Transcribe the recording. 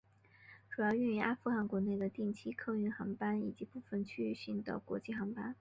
主要运营阿富汗国内的定期客运航班以及部分区域性国际航班业务。